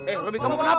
eh robby kamu kenapa